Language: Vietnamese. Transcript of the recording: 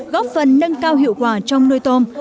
góp phần nâng cao hiệu quả trong nuôi tôm